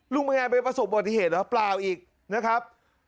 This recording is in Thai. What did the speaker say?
ลุงมันยังไม่ประสบบที่เหตุหรอเปล่าอีกนะครับ